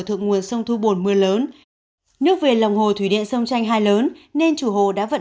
thượng nguồn sông thu bồn mưa lớn nước về lồng hồ thủy địa sông tranh hai lớn nên chủ hồ đã vận